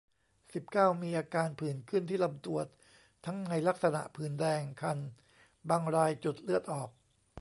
สิบเก้า มีอาการผื่นขึ้นที่ลำตัว ทั้งในลักษณะผื่นแดง คันบางราย จุดเลือดออก